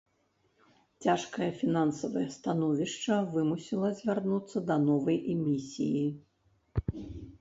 Цяжкае фінансавае становішча вымусіла звярнуцца да новай эмісіі.